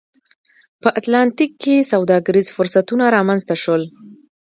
په اتلانتیک کې سوداګریز فرصتونه رامنځته شول.